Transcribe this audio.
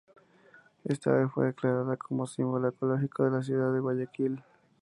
Esta ave fue declarada como símbolo ecológico de la ciudad de Guayaquil.